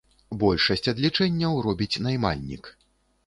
Большасць адлічэнняў робіць наймальнік.